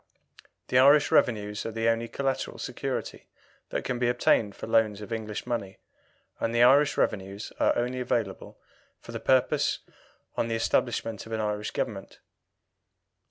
The Irish revenues are the only collateral security that can be obtained for loans of English money, and Irish revenues are only available for the purpose on the establishment of an Irish Government.